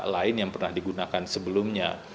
lain yang pernah digunakan sebelumnya